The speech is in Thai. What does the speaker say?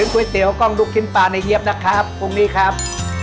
ก๋วยเตี๋ยวกล้องลูกชิ้นปลาในเยียบนะครับตรงนี้ครับ